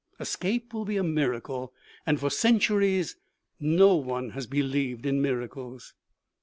Escape will be a miracle, and for centuries no one has believed in miracles."